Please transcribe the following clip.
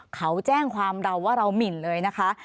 เขาแจ้งความเราว่าเราหมินเลยนะคะ